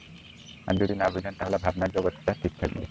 আর যদি না বোঝেন, তাহলেই ভাবনার জগৎটা ঠিক থাকবে।